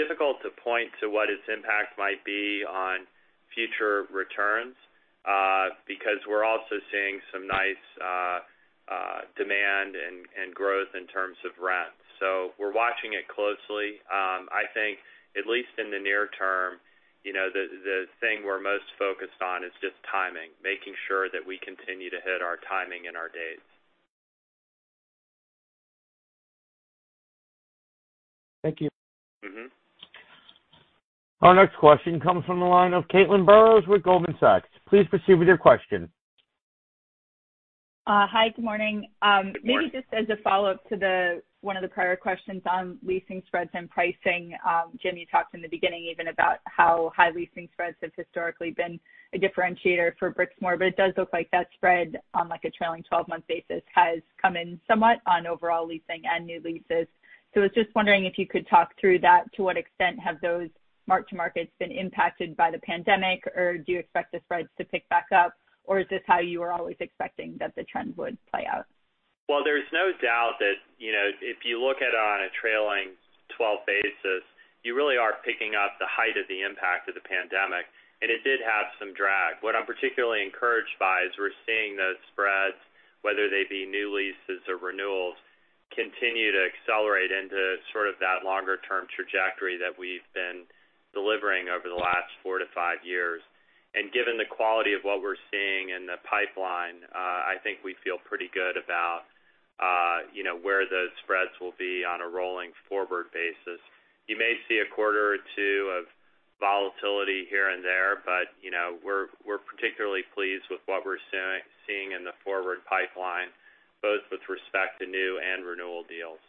Difficult to point to what its impact might be on future returns, because we're also seeing some nice demand and growth in terms of rent. We're watching it closely. I think at least in the near term, the thing we're most focused on is just timing, making sure that we continue to hit our timing and our dates. Thank you. Our next question comes from the line of Caitlin Burrows with Goldman Sachs. Please proceed with your question. Hi, good morning. Good morning. Maybe just as a follow-up to one of the prior questions on leasing spreads and pricing. Jim, you talked in the beginning even about how high leasing spreads have historically been a differentiator for Brixmor, but it does look like that spread on a trailing 12-month basis has come in somewhat on overall leasing and new leases. I was just wondering if you could talk through that. To what extent have those mark-to-markets been impacted by the pandemic, or do you expect the spreads to pick back up, or is this how you were always expecting that the trend would play out? Well, there's no doubt that, if you look at it on a trailing 12 basis, you really are picking up the height of the impact of the pandemic, and it did have some drag. What I'm particularly encouraged by is we're seeing those spreads, whether they be new leases or renewals, continue to accelerate into sort of that longer-term trajectory that we've been delivering over the last four to five years. Given the quality of what we're seeing in the pipeline, I think we feel pretty good about where those spreads will be on a rolling forward basis. You may see a quarter or two of volatility here and there, but we're particularly pleased with what we're seeing in the forward pipeline, both with respect to new and renewal deals.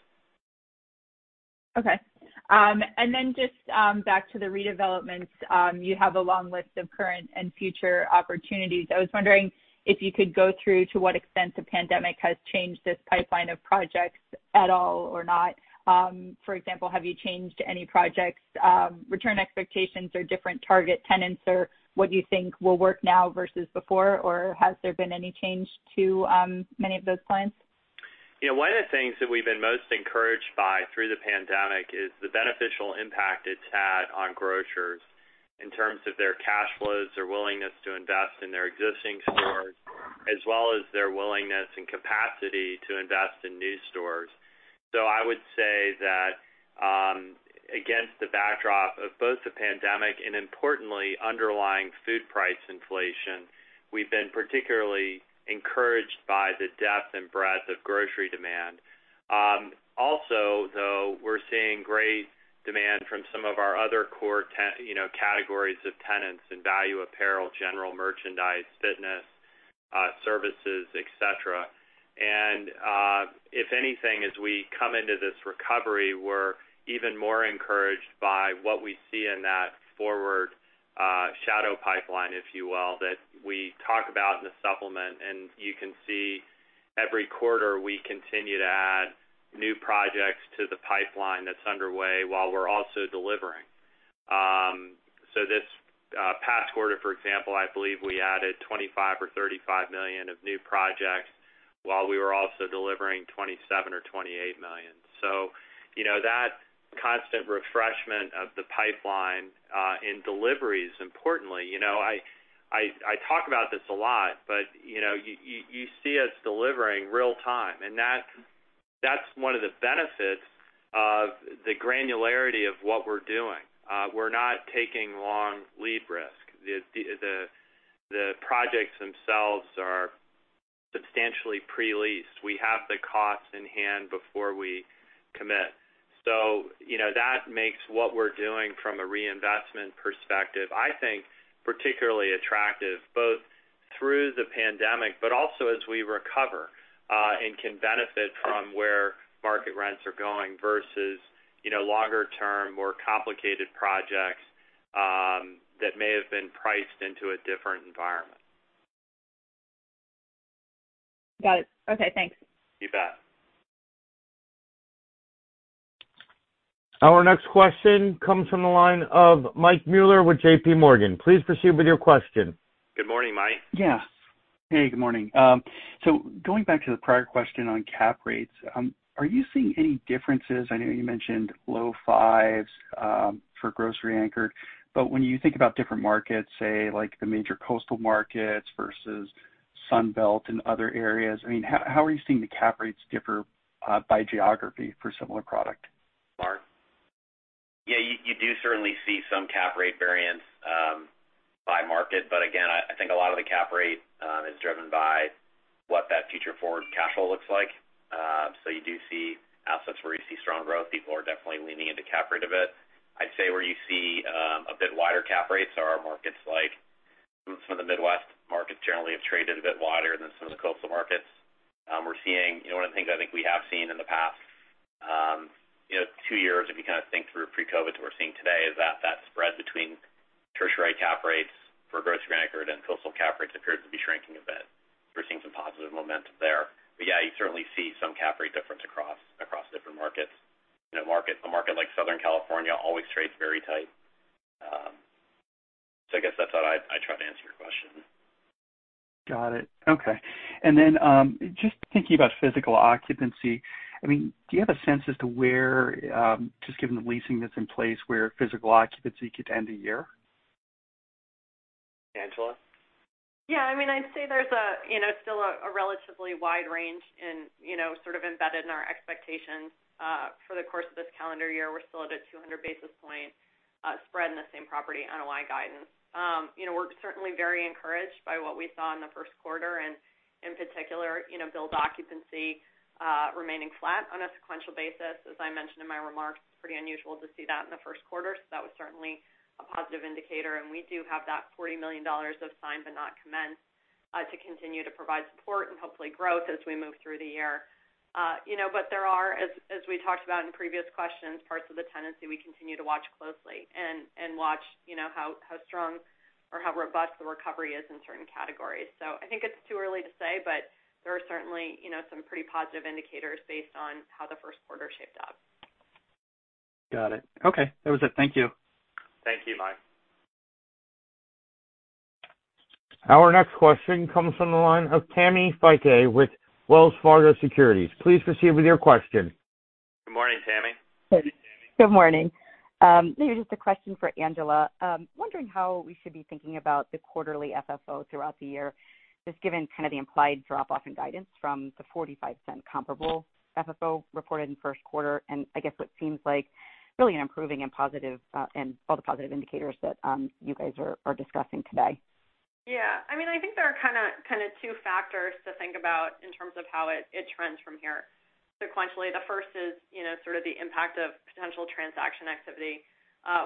Okay. Just back to the redevelopments. You have a long list of current and future opportunities. I was wondering if you could go through to what extent the pandemic has changed this pipeline of projects at all or not. For example, have you changed any projects, return expectations, or different target tenants, or what you think will work now versus before? Has there been any change to many of those plans? One of the things that we've been most encouraged by through the pandemic is the beneficial impact it's had on grocers in terms of their cash flows, their willingness to invest in their existing stores, as well as their willingness and capacity to invest in new stores. I would say that, against the backdrop of both the pandemic and importantly, underlying food price inflation, we've been particularly encouraged by the depth and breadth of grocery demand. Also, though, we're seeing great demand from some of our other core categories of tenants in value apparel, general merchandise, fitness, services, et cetera. If anything, as we come into this recovery, we're even more encouraged by what we see in that forward shadow pipeline, if you will, that we talk about in the supplement. [And] you can see every quarter, we continue to add new projects to the pipeline that's underway while we're also delivering. This past quarter, for example, I believe we added $25 million or $35 million of new projects while we were also delivering $27 million or $28 million. That constant refreshment of the pipeline in deliveries, importantly. I talk about this a lot, but you see us delivering real time, and that's one of the benefits of the granularity of what we're doing. We're not taking long-lead risk. The projects themselves are substantially pre-leased. We have the costs in hand before we commit. That makes what we're doing from a reinvestment perspective, I think, particularly attractive, both through the pandemic but also as we recover and can benefit from where market rents are going versus longer-term, more complicated projects that may have been priced into a different environment. Got it. Okay, thanks. You bet. Our next question comes from the line of Mike Mueller with J.P. Morgan. Please proceed with your question. Good morning, Mike. Yeah. Hey, good morning. Going back to the prior question on cap rates, are you seeing any differences? I know you mentioned low fives for grocery anchored, but when you think about different markets, say like the major coastal markets versus Sun Belt and other areas, how are you seeing the cap rates differ by geography for similar product? Mark? You do certainly see some cap rate variance by market. Again, I think a lot of the cap rate is driven by what that future forward cash flow looks like. You do see assets where you see strong growth. People are definitely leaning into cap rate a bit. I'd say where you see a bit wider cap rates are markets like some of the Midwest markets generally have traded a bit wider than some of the coastal markets. One of the things I think we have seen in the past two years, if you kind of think through pre-COVID to we're seeing today, is that that spread between tertiary cap rates for grocery-anchored and coastal cap rates appears to be shrinking a bit. We're seeing some positive momentum there. You certainly see some cap rate difference across different markets. A market like Southern California always trades very tight. I guess that's how I try to answer your question. Got it. Okay. Just thinking about physical occupancy, do you have a sense as to where, just given the leasing that's in place, where physical occupancy could end a year? Angela? [Yes. I mean] I'd say there's still a relatively wide range embedded in our expectations for the course of this calendar year. We're still at a 200 basis points in the same property NOI guidance. We're certainly very encouraged by what we saw in the first quarter, and in particular, Brixmor occupancy remaining flat on a sequential basis. As I mentioned in my remarks, it's pretty unusual to see that in the first quarter, so that was certainly a positive indicator. We do have that $40 million of signed but not commenced to continue to provide support and hopefully growth as we move through the year. There are, as we talked about in previous questions, parts of the tenancy we continue to watch closely and watch how strong or how robust the recovery is in certain categories. I think it's too early to say, but there are certainly some pretty positive indicators based on how the first quarter shaped up. Got it. Okay. That was it. Thank you. Thank you, Mike. Our next question comes from the line of Tammi Fique with Wells Fargo Securities. Please proceed with your question. Good morning, Tammi. Good morning. Maybe just a question for Angela. I'm wondering how we should be thinking about the quarterly FFO throughout the year, just given kind of the implied drop-off in guidance from the $0.45 comparable FFO reported in the first quarter, and I guess what seems like really an improving and all the positive indicators that you guys are discussing today. I think there are kind of two factors to think about in terms of how it trends from here sequentially. The first is sort of the impact of potential transaction activity,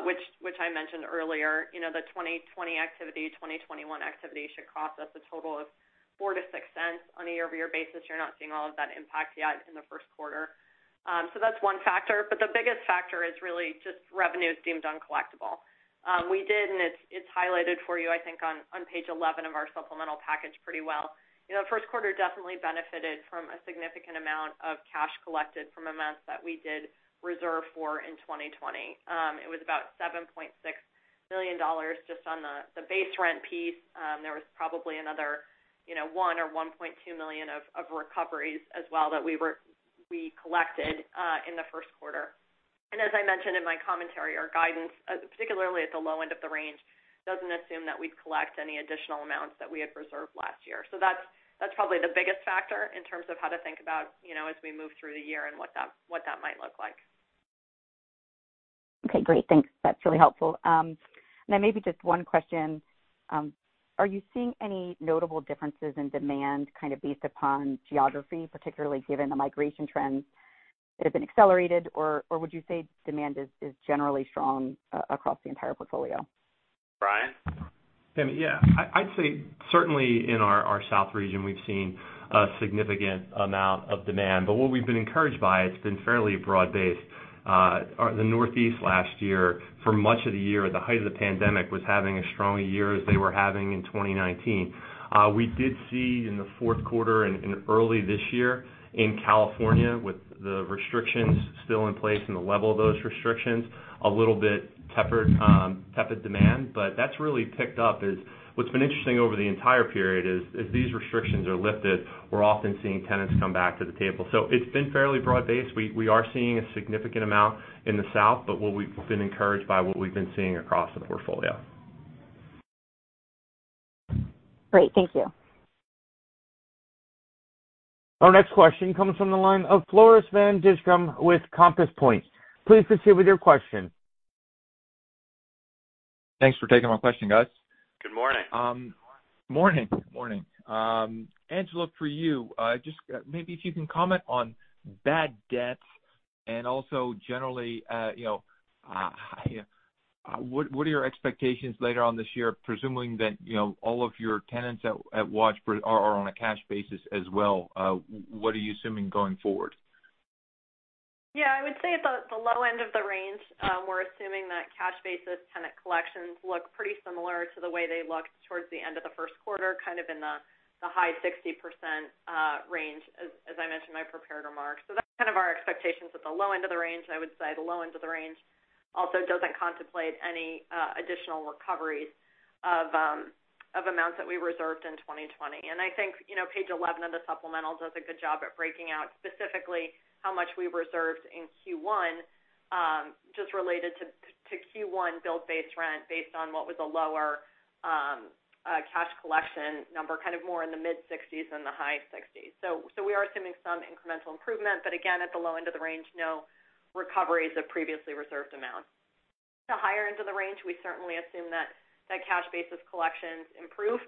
which I mentioned earlier. The 2020 activity, 2021 activity should cost us a total of $0.04-$0.06 on a year-over-year basis. You're not seeing all of that impact yet in the first quarter. That's one factor. The biggest factor is really just revenues deemed uncollectible. We did, and it's highlighted for you, I think, on page 11 of our supplemental package pretty well. The first quarter definitely benefited from a significant amount of cash collected from amounts that we did reserve for in 2020. It was about $7.6 million just on the base rent piece. There was probably another $1 million or $1.2 million of recoveries as well that we collected in the first quarter. As I mentioned in my commentary, our guidance, particularly at the low end of the range, doesn't assume that we'd collect any additional amounts that we had reserved last year. That's probably the biggest factor in terms of how to think about, as we move through the year and what that might look like. Okay, great. Thanks. That's really helpful. Maybe just one question. Are you seeing any notable differences in demand kind of based upon geography, particularly given the migration trends that have been accelerated, or would you say demand is generally strong across the entire portfolio? Brian? Tammi, yeah. I'd say certainly in our south region, we've seen a significant amount of demand. What we've been encouraged by, it's been fairly broad-based. The Northeast last year, for much of the year at the height of the pandemic, was having as strong a year as they were having in 2019. We did see in the fourth quarter and early this year in California with the restrictions still in place and the level of those restrictions, a little bit tepid demand. That's really picked up as what's been interesting over the entire period is as these restrictions are lifted, we're often seeing tenants come back to the table. It's been fairly broad-based. We are seeing a significant amount in the south, but what we've been encouraged by what we've been seeing across the portfolio. Great. Thank you. Our next question comes from the line of Floris van Dijkum with Compass Point. Please proceed with your question. Thanks for taking my question, guys. Good morning. Morning. Angela, for you, just maybe if you can comment on bad debts and also generally, what are your expectations later on this year, presuming that all of your tenants at Watch are on a cash basis as well? What are you assuming going forward? Yeah, I would say at the low end of the range, we're assuming that cash basis tenant collections look pretty similar to the way they looked towards the end of the first quarter, kind of in the high 60% range, as I mentioned in my prepared remarks. That's kind of our expectations at the low end of the range. I would say the low end of the range also doesn't contemplate any additional recoveries of amounts that we reserved in 2020. I think page 11 of the supplemental does a good job at breaking out specifically how much we reserved in Q1, just related to Q1 builled based rent based on what was a lower cash collection number, kind of more in the mid-60s than the high 60s. We are assuming some incremental improvement. Again, at the low end of the range, no recoveries of previously reserved amounts. The higher end of the range, we certainly assume that cash basis collections improve.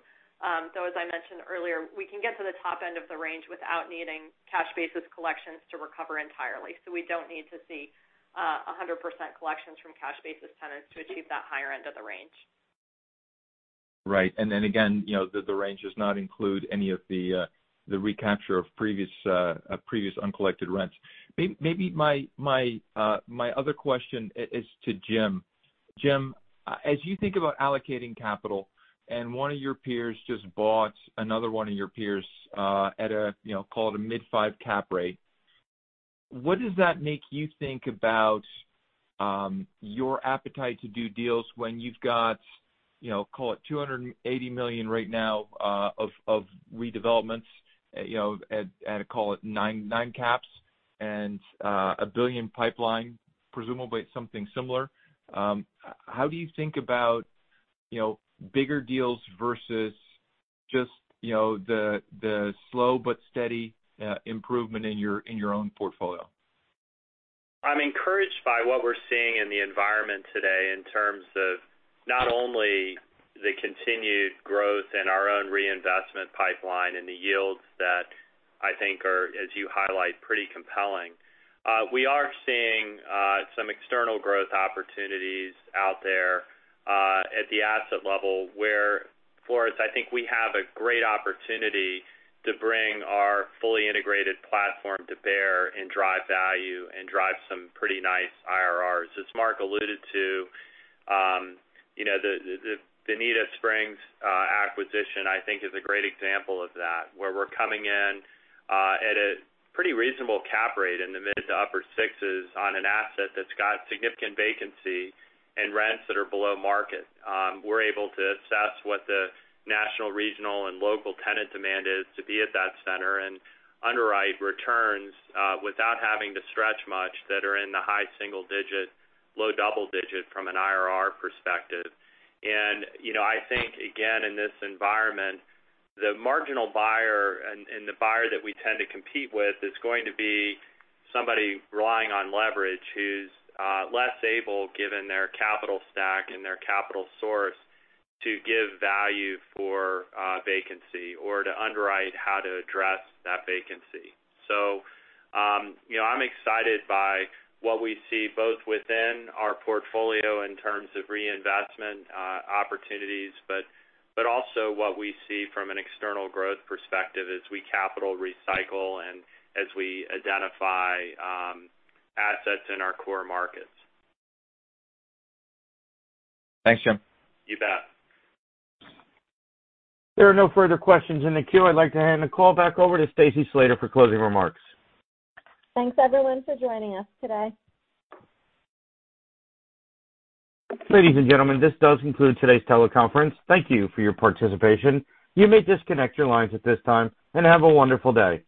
As I mentioned earlier, we can get to the top end of the range without needing cash basis collections to recover entirely. We don't need to see 100% collections from cash basis tenants to achieve that higher end of the range. Right. [And then] again, the range does not include any of the recapture of previous uncollected rents. Maybe my other question is to Jim. Jim, as you think about allocating capital and one of your peers just bought another one of your peers at a, call it a mid-five cap rate, what does that make you think about your appetite to do deals when you've got, call it $280 million right now of redevelopments at, call it nine caps and a $1 billion pipeline, presumably at something similar. How do you think about bigger deals versus just the slow but steady improvement in your own portfolio? I'm encouraged by what we're seeing in the environment today in terms of not only the continued growth in our own reinvestment pipeline and the yields that I think are, as you highlight, pretty compelling. We are seeing some external growth opportunities out there, at the asset level, where for us, I think we have a great opportunity to bring our fully integrated platform to bear and drive value and drive some pretty nice IRRs. As Mark alluded to, the Bonita Springs acquisition, I think, is a great example of that, where we're coming in at a pretty reasonable cap rate in the mid to upper sixes on an asset that's got significant vacancy and rents that are below market. We're able to assess what the national, regional, and local tenant demand is to be at that center and underwrite returns, without having to stretch much, that are in the high single digit, low double digit from an IRR perspective. I think, again, in this environment, the marginal buyer and the buyer that we tend to compete with is going to be somebody relying on leverage who's less able, given their capital stack and their capital source, to give value for vacancy or to underwrite how to address that vacancy. I'm excited by what we see both within our portfolio in terms of reinvestment opportunities, but also what we see from an external growth perspective as we capital recycle and as we identify assets in our core markets. Thanks, Jim. You bet. There are no further questions in the queue. I'd like to hand the call back over to Stacy Slater for closing remarks. Thanks everyone for joining us today. Ladies and gentlemen, this does conclude today's teleconference. Thank you for your participation. You may disconnect your lines at this time, and have a wonderful day.